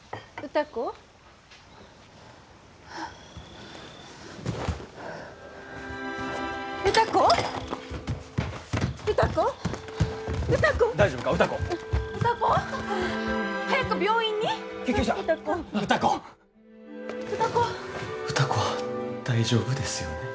歌子は大丈夫ですよね？